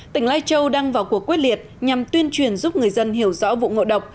tỉnh lai châu đang vào cuộc quyết liệt nhằm tuyên truyền giúp người dân hiểu rõ vụ ngộ độc